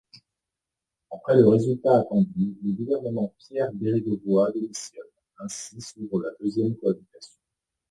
Après le résultat attendu, le gouvernement Pierre Bérégovoy démissionne, ainsi s'ouvre la deuxième cohabitation.